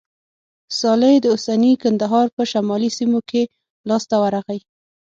صالح د اوسني کندهار په شمالي سیمو کې لاسته ورغی.